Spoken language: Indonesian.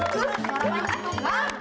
nggak salah salah dimurkir mak